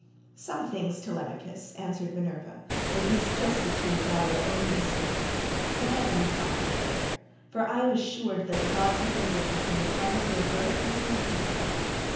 "Some things, Telemachus," answered Minerva, "will be suggested to you by your own instinct, and heaven will prompt you further; for I am assured that the gods have been with you from the time of your birth until now."